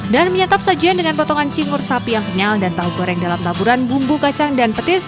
dan menyantap sajian dengan potongan cinggur sapi yang kenyal dan tahu goreng dalam taburan bumbu kacang dan petis